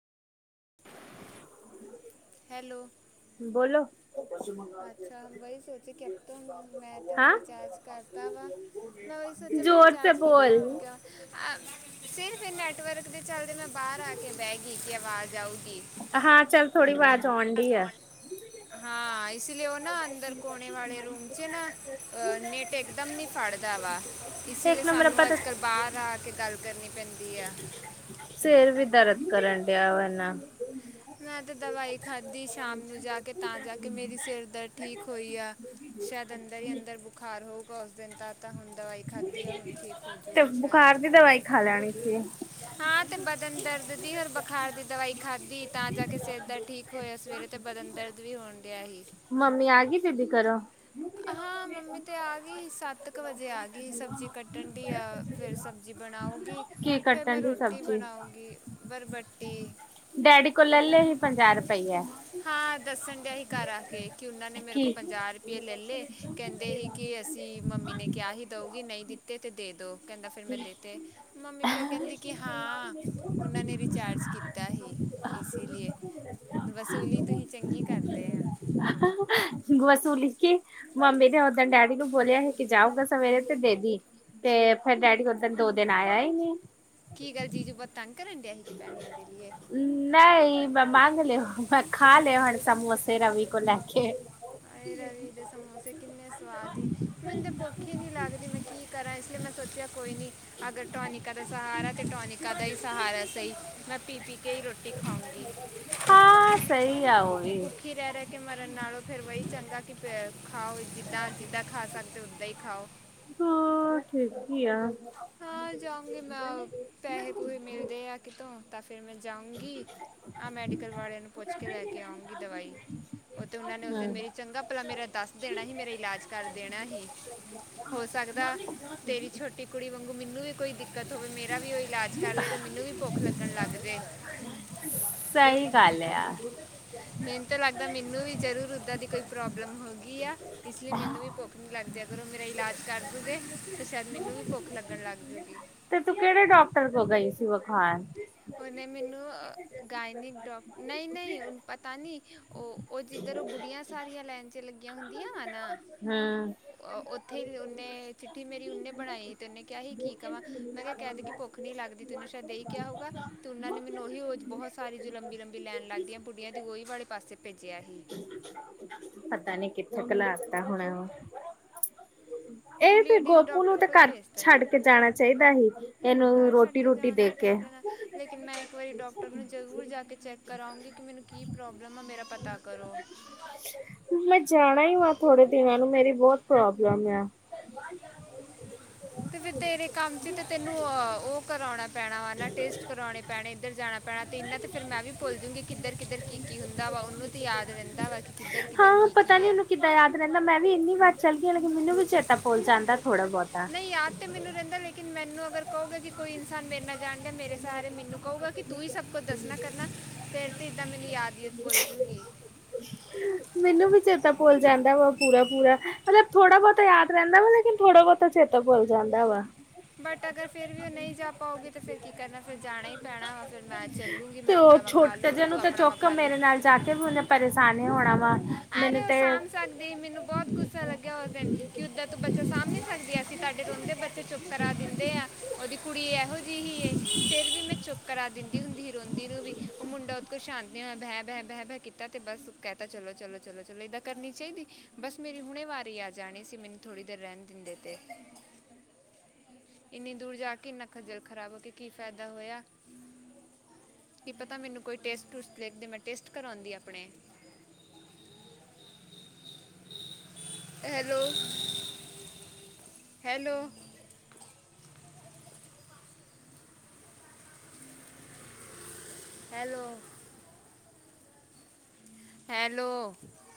[inaudible] Hello ਬੋਲੋ? ਅੱਛਾ ਵਹੀ ਸੋਚ ਰਹੀ। ਕਿ ਅਬ ਤੋ, ਮੈਂ ਤੇ ਹੁਨ ਰਿਚਾਰਜ ਕਰਤਾ ਵਾ। ਮੈਂ ਉਹੀ ਸੋਚਿਆ। ਮੈਂ ਰਿਚਾਰਜ ਕੀਤਾ ਹੁਨ ਕਯਾ? ਆਹ ਸਿਰਫ ਇਹ ਨੈਟਵਰਕ ਦੇ ਚਲਦੇ, ਮੈਂ ਬਾਹਰ ਆ ਕੇ ਬੈ ਗਈ। ਕਿ ਆਵਾਜ ਆਊਗੀ। ਚੱਲ ਥੋੜੀ ਆਵਾਜ ਆਉਂਣ ਡੀ ਆ। ਹਾਂ ਇਸੀ ਲਿਯੇ ਉਹ ਨਾ ਅੰਦਰ ਕੋਣੇ ਵਾਲੇ ਰੂਮ ਚ ਨਾ, ਇਹ ਨੈੱਟ ਇੱਕਦਮ ਨੀ ਫੜਦਾ ਵਾ। ਇਸੀਲੀਏ ਸਾਨੂੰ ਅੱਜ ਕੱਲ ਬਾਹਰ ਆ-ਆ ਕੇ ਗੱਲ ਕਰਨੀ ਪੈਂਦੀ ਹੈ। ਸਿਰ ਵੀ ਦਰਦ ਕਰਨ ਡਿਆ ਵਾ ਐਨਾ। ਮੈਂ ਤੇ ਦਵਾਈ ਖਾਧੀ ਸ਼ਾਮ ਨੂੰ ਜਾ ਕੇ ਤਾਂ ਜਾ ਕੇ ਮੇਰੀ ਸਿਰ ਦਰਦ ਠੀਕ ਹੋਈ ਆ। ਸ਼ੈਦ ਅੰਦਰ ਈ ਅੰਦਰ ਬੁਖਾਰ ਹੋ ਗਾ ਉਸ ਦਿਨ ਦਾ ਤਾਂ ਹੁਣ ਦਵਾਈ ਖਾਧੀ ਆ ਹੁਣ ਠੀਕ ਤੇ ਹੋਜੂਗਾ ਬੁਖਾਰ ਦੀ ਸ਼ੈਦ। ਦਵਾਈ ਖਾ ਲੈਣੀ ਸੀ। ਹਾਂ, ਤੇ ਬਦਨ ਦਰਦ ਦੀ ਓਰ ਬੁਖਾਰ ਦੀ ਦਵਾਈ ਖਾਧੀ ਤਾਂ ਜਾ ਕੇ ਸਿਰ ਦਰ ਠੀਕ ਹੋਇਆ ਸਵੇਰੇ ਤੇ ਬਦਨ ਦਰਦ ਵੀ ਹੋਣ ਡਿਆ ਸੀ। ਮੰਮੀ ਆਗੀ ਬੀਬੀ ਘਰੋ? ਹਾਂ, ਮੰਮੀ ਤੇ ਆ ਗੀ ਸੱਤ ਕ ਵਜੇ ਆ ਗੀ ਸਬਜ਼ੀ ਕੱਟਣ ਡੀ ਆ ਫਿਰ ਸਬ ਜ਼ੀ ਬਣਾਊਗੀ ਕੀ ਫਿਰ ਕੱਟਣ ਮੈਂ ਦੀ ਰੋਟੀ ਸਬਜ਼ੀ ਬਣਾਊਗੀ ਬਰਬਟੀ। ਡੈਡੀ ਕੋਲ ਲੈ ਲੇ ਸੀ ਪੰਜਾਹ ਰੁਪਈਆ। ਹਾਂ, ਦੱਸਣ ਡਿਆ ਸੀ ਘਰ ਆ ਕੇ ਕਿ ਉਨ੍ਹਾਂ ਨੇ ਮੇਰੇ ਕੀ ਕੋਲ ਪੰਜਾਹ ਰਪਏ ਲੇ ਕੈਂਦੇ ਸੀ ਕੀ ਅਸੀਂ ਮੰਮੀ ਨੇ ਕਿਆ ਸੀ ਦਊਗੀ ਨਈ ਦਿੱਤੇ ਤੇ ਦੇ ਦੋ। ਕੈਂਦਾ ਫਿਰ ਮੈਂ ਦੇ ਤੇ ਮੰਮੀ ਫੇਰ ਕੈਂਦੀ ਕੀ ਹਾਂ। ਉਨਾਂ ਨੇ ਰਿਚਾਰਜ ਕੀਤਾ ਸੀ ਇਸੀ ਲਈ ਏ। ਵਸੂਲੀ ਤੁਸੀਂ ਚੰਗੀ ਕਰਦੇ ਆ। ਵਸੂਲੀ ਕੀ ਮੰਮੀ ਨੇ ਓਦਨ ਡੈਡੀ ਨੂੰ ਬੋਲਿਆ ਸੀ ਕੀ ਜਾਊਗਾ ਸਵੇਰੇ ਤੇ ਦੇਦੀ ਤੇ ਫੇਰ ਡੈਡੀ ਓਦਣ ਦੋ ਦਿਨ ਆਇਆ ਈ ਨੀ। ਕੀ ਗੱਲ ਜੀਜੂ ਬੋਤ ਤੰਗ ਕਰਨ ਡਿਆ ਸੀ ਪੈਸਿਆਂ ਦੇ ਲੀ ਏ। ਨਈ ਮੈਂ ਮੰਗ ਲੇ ਮੈਂ ਖਾ ਲੇ ਹੁਣ ਸਮੋਸੇ ਰਵੀ ਕੋ ਲੈ ਕੇ। ਆਏ ਰਵੀ ਦੇ ਸਮੋਸੇ ਕਿੰਨੇ ਸਵਾਦ ਸੀ ਮੈਨੂੰ ਤਾਂ ਭੁੱਖ ਈ ਨੀ ਲੱਗਦੀ ਮੈਂ ਕੀ ਕਰਾਂ ਇਸ ਲਈ ਮੈਂ ਸੋਚਿਆ ਕੋਈ ਨੀ। ਅਗਰ ਟੋਨੀਕਾ ਦਾ ਸਹਾਰਾ ਤੇ ਟੋਨੀਕਾ ਦਾ ਈ ਸਹਾਰਾ ਸਈ ਮੈਂ ਪੀ-ਪੀ ਕੇ ਈ ਰੋਟੀ ਖਾਊਂਗੀ। ਹਾਂ ਸਈ ਆ ਓ ਵੀ। ਭੁੱਖੀ ਰਹਿ ਰਹਿ ਕੇ ਮਰਨ ਨਾਲੋਂ ਫੇਰ ਵੀ ਚੰਗਾ ਕੀ ਪੇ ਖਾਓ ਜਿੱਦਾਂ-ਜਿੱਦਾਂ ਖਾ ਸਕਦੇ ਓਦਾਂ ਈ ਖਾਓ। ਹਾਂ, ਠੀਕ ਈ ਆ। ਹਾਂ, ਜਾਊਂਗੀ ਮੈਂ ਪੈਸੇ ਪੂਸੇ ਮਿਲਦੇ ਆ ਕਿਤੋਂ। ਤਾਂ ਫਿਰ ਮੈਂ ਜਾਊਂਗੀ ਆ ਮੈਡੀਕਲ ਵਾਲਿਆਂ ਨੂੰ ਪੁੱਛ ਕੇ ਲੈ ਕੇ ਆਊਂਗੀ ਦਵਾਈ। ਓ ਤੇ ਓਨਾਂ ਨੇ ਉਸ ਦਿਨ ਮੇਰੀ ਚੰਗਾ ਭਲਾ ਮੇਰਾ ਦੱਸ ਦੇਣਾ ਸੀ ਮੇਰਾ ਇਲਾਜ ਕਰ ਦੇਣਾ ਸੀ। ਹੋ ਸਕਦਾ ਤੇਰੀ ਛੋਟੀ ਕੁੜੀ ਵਾਂਗੂ ਮੈਨੂੰ ਵੀ ਕੋਈ ਦਿੱਕਤ ਹੋਵੇ ਮੇਰਾ ਵੀ ਓ ਇਲਾਜ ਕਰਦੇ ਤੇ ਮੈਨੂੰ ਵੀ ਭੁੱਖ ਲੱਗਣ ਲੱਗ ਜੇ। ਸਈ ਗੱਲ ਆ। ਮੈਨੂੰ ਤਾਂ ਲੱਗਦਾ ਮੈਨੂੰ ਵੀ ਜ਼ਰੂਰ ਓਦਾਂ ਦੀ ਕੋਈ ਪ੍ਰੋਬਲਮ ਹੋਗੀ ਆ ਇਸ ਲਈ ਮੈਨੂੰ ਵੀ ਭੁੱਖ ਲੱਗ ਦਿਆ ਕਰੋ ਮੇਰਾ ਇਲਾਜ ਕਰ ਦੂਗੇ ਤਾਂ ਸ਼ੈਦ ਮੈਨੂੰ ਵੀ ਭੁੱਖ ਲੱਗਣ ਲੱਗ ਜੂਗੀ। ਤੇ ਤੂੰ ਕਿਹੜੇ ਡੋਕਟਰ ਕੋਲ ਗਈ ਸੀ ਵਖਾਨ? ਉਨੇ ਮੈਨੂੰ ਗਾਈਨਿਕ ਡੋਕ ਨਈ-ਨਈ ਉਨ ਪਤਾ ਨੀ। ਓ-ਓ ਜਿੱਧਰ ਓ ਬੁੜੀਆਂ ਸਾਰੀਆਂ ਲਾਈਨ ਚ ਲੱਗੀਆਂ ਹੁੰਦੀਆਂ ਵਾ ਨਾ। ਹੂੰ। ਅ ਉੱਥੇ ਈ ਉਨੇ ਚਿੱਠੀ ਮੇਰੀ ਉਨੇ ਬਣਾਈ ਤੇ ਉਨੇ ਕਿਆ ਸੀ ਕੀ ਕਵਾਂ ਮੈਂ ਕਿਆ ਕੈ ਦੇ ਕੀ ਭੁੱਖ ਨੀ ਲੱਗਦੀ ਤੈਨੂੰ ਸ਼ਾਇਦ ਏਈ ਕਿਆ ਹੋਊਗਾ। ਤੇ ਓਨਾਂ ਨੇ ਮੈਨੂੰ ਓਹੀ ਬੋਹ ਸਾਰੀ ਜੋ ਲੰਬੀ ਲੰਬੀ ਲੈਣ ਲੱਗਦੀਆਂ ਬੁੱਡੀਆਂ ਦੀ ਓਈ ਵਾਲੇ ਪਾਸੇ ਭੇਜਿਆ ਸੀ। ਪਤਾ ਨੀ ਕਿੱਥੇ ਕੁ ਲਾ ਦਿੱਤਾ ਹੋਣਾ। ਏ ਤੇ ਗੋਪੂ ਨੂੰ ਤੇ ਘਰ ਛੱਡ ਕੇ ਜਾਣਾ ਚਾਈਦਾ ਸੀ ਏਨੂੰ ਘਰ ਛੱਡ ਰੋਟੀ ਕੇ ਰੂਟੀ ਜਾਣ ਦੇ ਦੀ ਕੇ। ਟੈਨਸ਼ਨ ਆ ਲੇਕਿਨ ਮੈਂ ਇੱਕ ਵਾਰੀ ਡੋਕਟਰ ਨੂੰ ਜ਼ਰੂਰ ਜਾ ਕੇ ਚੈੱਕ ਕਰੂਗੀ ਕਿ ਮੈਨੂੰ ਕੀ ਪ੍ਰੋਬਲਮ ਆ ਮੇਰਾ ਪਤਾ ਕਰੋ। ਮੈਂ ਜਾਣਾ ਈ ਵਾਂ ਥੋੜੇ ਦਿਨਾਂ ਨੂੰ ਮੇਰੀ ਬੋਤ ਪ੍ਰੋਬਲਮ ਆ। ਤੇ ਫੇਰ ਤੇਰੇ ਕੰਮ ਚ ਤੇ ਤੈਨੂੰ ਓ ਕਰਾਉਣਾ ਪੈਣਾ ਵਾ ਨਾ ਟੇਸਟ ਕਰਾਓਣੇ ਪੈਣੇ ਇੱਧਰ ਜਾਣਾ ਪੈਣਾ ਤੇ ਇਨਾਂ ਤੇ ਫਿਰ ਮੈਂ ਵੀ ਭੁੱਲ ਜੂਗੀ ਕਿੱਧਰ-ਕਿੱਧਰ ਕੀ-ਕੀ ਹੁੰਦਾ ਵਾ ਉਨੂੰ ਤੀ ਯਾਦ ਰੈਂਦਾ ਵਾ ਕੀ ਕਿੱਧਰ-ਕਿੱਧਰ ਹਾਂ ਪਤਾ ਕੀ-ਕੀ ਨੀ ਆ। ਉਹਨੂੰ [unintelligible] ਮੈਂ ਵੀੰਨੀ ਵਾਰ ਚੱਲ ਗੀਆਂ ਲੇਕਿਨ ਮੈਨੂੰ ਵੀ ਚੇਤਾ ਭੁਲ ਜਾਂਦਾ ਥੋੜਾ ਬੋਤਾ। ਨਹੀਂ ਯਾਦ ਤੇ ਮੈਨੂੰ ਰਹਿੰਦਾ ਲੇਕਿਨ ਮੈਨੂੰ ਅਗਰ ਕੋਗੇ ਕਿ ਕੋਈ ਇਨਸਾਨ ਮੇਰੇ ਨਾਲ ਜਾਣਦਾ ਮੇਰੇ ਸਹਾਰੇ ਮੈਨੂੰ ਕਹੂਗਾ ਕਿ ਤੂੰ ਹੀ ਸਭ ਕੁਝ ਦੱਸਣਾ ਕਰਨਾ ਫਿਰ ਤਾਂ ਇੱਦਾਂ ਮੈਨੂੰ ਯਾਦ ਹੀ [unintelligible] [inaudible] ਮੈਨੂੰ ਵੀ ਚੇਤਾ ਭੁਲ ਜਾਂਦਾ ਵਾ ਪੂਰਾ-ਪੂਰਾ ਮਤਲਬ ਥੋੜਾ ਬਹੁਤਾ ਯਾਦ ਰਹਿੰਵਾ ਲੇਕਿਨ ਥੋੜ੍ਹਾ ਬਹੁਤ ਤਾਂ ਚੇਤਾ ਭੁੱਲ ਜਾਂਦਾ ਵਾ। ਬਟ ਅਗਰ ਫਿਰ ਵੀ ਉਹ ਨਹੀਂ ਜਾ ਪਾਉਗੀ ਤਾਂ ਫਿਰ ਕੀ ਕਰਨਾ ਫਿਰ ਜਾਣਾ ਹੀ ਪੈਣਾ ਵਾ ਫੇਰ ਮੈਂ ਚੱਲੂਗੀ ਤੇ ਮੈਂ ਉਹ ਆਪਣਾ ਵਖਾ ਛੋਟੇ ਲੂੰਗੀ ਜੇ ਨੂੰ ਤੂੰ ਤੇ ਆਪਣਾ ਚੁੱਕ ਵਖਾਲੀ ਮੇਰੇ ਨਾਲ ਜਾ ਕੇ ਵੀ ਉਹਨੇ ਪਰੇਸ਼ਾਨ ਹੀ ਹੋਣਾ। ਵਾ ਅਰੇ ਮੈਨੂੰ ਉਹ ਤੇ ਸਾਂਭ ਸਕਦੇ ਮੈਨੂੰ ਬਹੁਤ ਗੁੱਸਾ ਲੱਗਿਆ ਉਸ ਦਿਨ ਕਿ ਉਦਾਂ ਤੋਂ ਬੱਚਾ ਸਾਂਭ ਨੀ ਸਕਦੀ ਅਸੀਂ ਤੁਹਾਡੇ ਰੋਂਦੇ ਬੱਚੇ ਚੁਪ ਕਰਾ ਦਿੰਦੇ ਆ, ਉਹਦੀ ਕੁੜੀ ਇਹੋ [unintelligible] ਫਿਰ ਵੀ ਮੈਂ ਚੁੱਪ ਕਰਾ ਦਿੰਦੀ ਹੁੰਦੀ ਸੀ ਰੋਂਦੀ ਨੂੰ ਵੀ ਉਹ ਮੁੰਡਾ ਉਤਕ ਸ਼ਾਂਤੀ ਬਹਿ-ਬਹਿ-ਬਹਿ-ਬਹਿ ਕੀਤਾ ਤੇ ਬਸ ਕਹਿ ਤੇ ਚਲੋ ਚਲੋ-ਚਲੋ-ਚਲੋ, ਇਹਦਾ ਕਰਨੀ ਚਾਹੀਦੀ ਬਸ ਮੇਰੀ ਹੁਣੇ ਵਾਰ ਆ ਜਾਣੀ ਸੀ ਮੈਨੂੰ ਥੋੜ੍ਹੀ ਦੇਰ ਰਹਿਣ ਦਿੰਦੇ ਤੇ। ਇੰਨੀ ਦੂਰ ਜਾ ਕੇ ਇੰਨਾ ਖੱਜਲ ਖਰਾਬ ਹੋ ਕੇ ਕੀ ਫਾਇਦਾ ਹੋਇਆ। ਕੀ ਪਤਾ ਮੈਨੂੰ ਕੋਈ ਟੇਸਟ ਟੂਸਟ ਲਿਖਦੇ ਮੈਂ ਟੇਸਟ ਕਰਵਾਉਂਦੀ ਆਪਣੇ ਹੈਲੋ, ਹੈਲੋ। ਹੈਲੋ। ਹੈਲੋ।